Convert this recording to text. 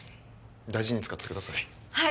大事に使ってください